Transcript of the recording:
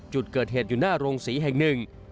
จุดเกิดเหตุอยู่หน้าโรงศรีแห่งหนึ่ง